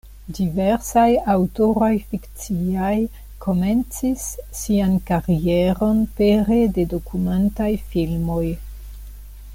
Diversaj aŭtoroj fikciaj komencis sian karieron pere de dokumentaj filmoj.